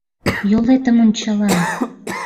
— Йолетым ончалам.